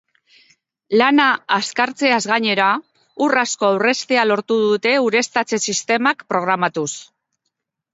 Lana azkartzeaz gainera, ur asko aurreztea lortu dute ureztatze-sistemak programatuz.